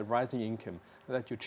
di jerman juga